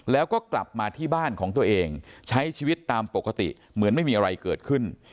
แล้วก็กลับมาที่บ้านของตัวเองใช้ชีวิตตามปกติเหมือนไม่มีอะไรเกิดขึ้น